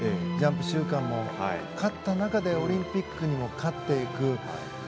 ジャンプ週間も勝った中でオリンピックにも勝つ。